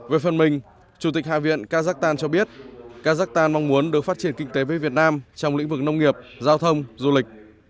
về phần mình chủ tịch hạ viện kazakhstan cho biết kazakhstan mong muốn được phát triển kinh tế với việt nam trong lĩnh vực nông nghiệp giao thông du lịch